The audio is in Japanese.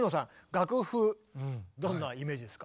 楽譜どんなイメージですか？